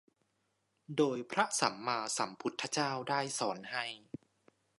โดยพระสัมมาสัมพุทธเจ้าได้สอนให้